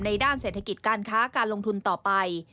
ด้านเศรษฐกิจการค้าการลงทุนต่อไป